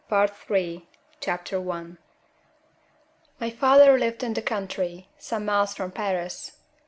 PART III CHAPTER I MY father lived in the country, some miles from Paris.